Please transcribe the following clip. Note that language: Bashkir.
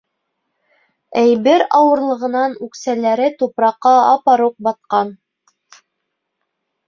— Әйбер ауырлығынан үксәләре тупраҡҡа апаруҡ батҡан.